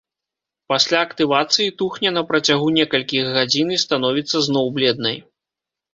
Пасля актывацыі тухне на працягу некалькіх гадзін і становіцца зноў бледнай.